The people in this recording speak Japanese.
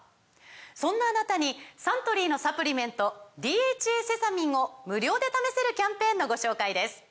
そんなあなたにサントリーのサプリメント「ＤＨＡセサミン」を無料で試せるキャンペーンのご紹介です